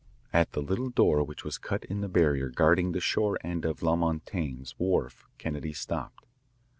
At the little door which was cut in the barrier guarding the shore end of La Montaigne's wharf Kennedy stopped.